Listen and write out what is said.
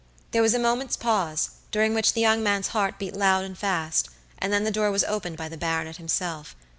There was a moment's pause, during which the young man's heart beat loud and fast, and then the door was opened by the baronet himself.